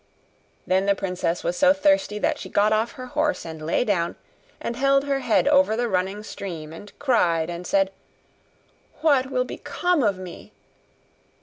Then the princess was so thirsty that she got off her horse, and lay down, and held her head over the running stream, and cried and said, 'What will become of me?